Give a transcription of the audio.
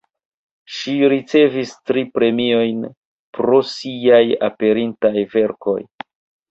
Ŝi ricevis tri premiojn pro siaj aperintaj verkoj.